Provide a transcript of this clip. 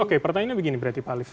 oke pertanyaannya begini pak alief